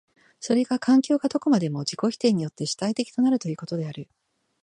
それが環境がどこまでも自己否定によって主体的となるということである。